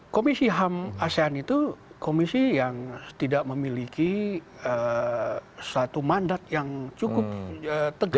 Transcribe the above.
komisi ham asean itu komisi yang tidak memiliki satu mandat yang cukup tegas